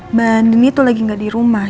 mbak andini tuh lagi nggak di rumah